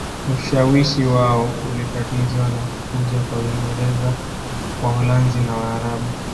Ushawishi wao ulikatizwa na kuja kwa Waingereza Waholanzi na Waarabu